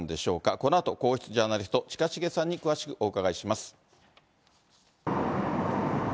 このあと、皇室ジャーナリスト、近重さんに詳しくお伺いします。